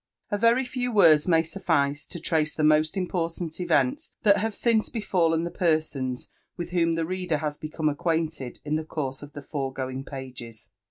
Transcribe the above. A very few words may suffice to trace the most important events that have since befallen the persons with whom the reader baa become acquainted in the course of the fpregoiog pages.